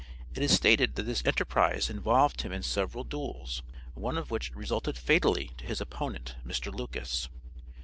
It is stated that this enterprise involved him in several duels, one of which resulted fatally to his opponent, Mr. Lucas.